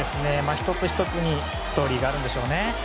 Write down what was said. １つ１つにストーリーがあるんでしょうね。